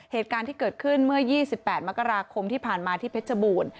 เหตุการณ์ที่เกิดขึ้นเมื่อ๒๘มกราคมที่ผ่านมาที่เพชรบูรณ์